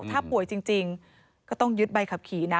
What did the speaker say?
ถ้าป่วยจริงก็ต้องยึดใบขับขี่นะ